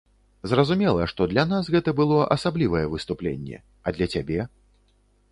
Зразумела, што для нас гэта было асаблівае выступленне, а для цябе?